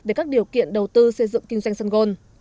về các điều kiện đầu tư xây dựng kinh doanh sân gôn